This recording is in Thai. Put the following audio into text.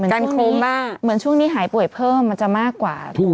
การคมมากเหมือนซักช่วงนี้หายป่วยเพิ่มจะมากกว่า